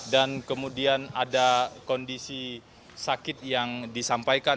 dan kemudian ada kondisi sakit yang disampaikan